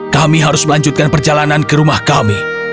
kami harus melanjutkan perjalanan ke rumah kami